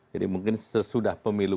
jadi mungkin sesudah pemilu